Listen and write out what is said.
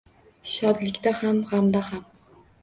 Shodlikda ham, gʼamda ham